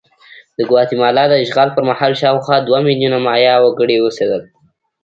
د ګواتیمالا د اشغال پر مهال شاوخوا دوه میلیونه مایا وګړي اوسېدل.